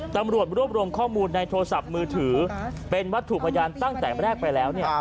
ตำรวจรวบรวมข้อมูลในโทรศัพท์มือถือเป็นวัตถุพยานตั้งแต่แรกไปแล้ว